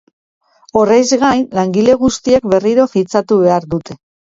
Horrez gain, langile guztiek berriro fitxatu behar dute.